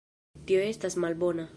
Tio estas malbona